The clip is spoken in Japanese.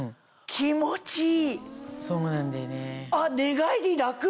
気持ちいい。